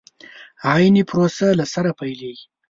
عين پروسه له سره پيلېږي.